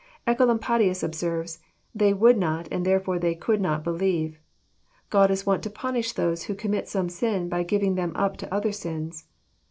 Ecolampadius observes :They would not, and therefore they could not believe. God is wont to punish those who commit some sin by giving them up to other sins."